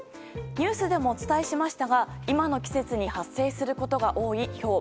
ニュースでもお伝えしましたが今の季節に発生することが多いひょう。